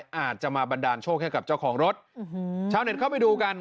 อาจจะมาบันดาลโชคให้กับเจ้าของรถชาวเน็ตเข้าไปดูกัน